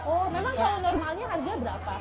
oh memang kalau normalnya harganya berapa